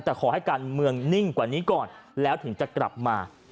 แต่ขอให้การเมืองนิ่งกว่านี้ก่อนแล้วถึงจะกลับมา